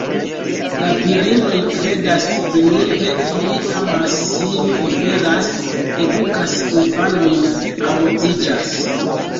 La virinoj kredas blinde; ili amas, sin oferas, edukas infanojn, amuziĝas.